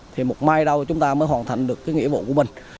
thì một mai đâu chúng ta mới hoàn thành được cái nghĩa vụ của mình